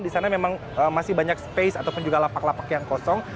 di sana memang masih banyak space ataupun juga lapak lapak yang kosong